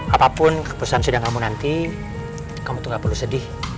apapun keputusan sidang kamu nanti kamu tuh gak perlu sedih